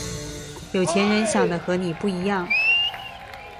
有錢人想的和你不一樣